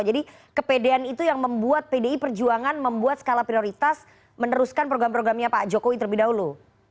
jadi kepedean itu yang membuat pdi perjuangan membuat skala prioritas meneruskan program programnya pak jokowi terlebih dahulu